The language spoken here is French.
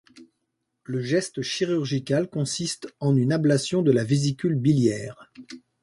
Le geste chirurgical consiste en une ablation de la vésicule biliaire.